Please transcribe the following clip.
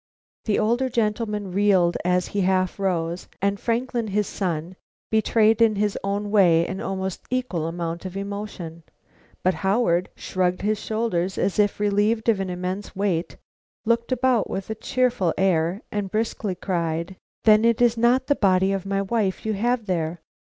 The older gentleman reeled as he half rose, and Franklin, his son, betrayed in his own way an almost equal amount of emotion. But Howard, shrugging his shoulders as if relieved of an immense weight, looked about with a cheerful air, and briskly cried: "Then it is not the body of my wife you have there.